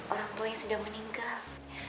orang tuanya sudah meninggal